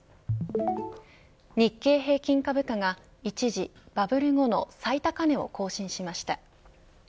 日経平均株価が一時、バブル後の最高値を更新しました。